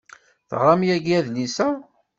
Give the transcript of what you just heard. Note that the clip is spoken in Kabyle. Teɣram yagi adlis-a.